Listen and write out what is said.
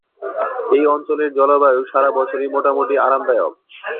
এই অঞ্চলের জলবায়ু সারা বছরই মোটামুটি আরামদায়ক।